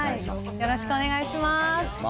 よろしくお願いします。